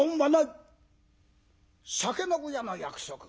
酒の上の約束。